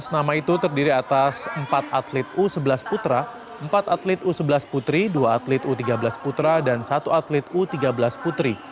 tujuh belas nama itu terdiri atas empat atlet u sebelas putra empat atlet u sebelas putri dua atlet u tiga belas putra dan satu atlet u tiga belas putri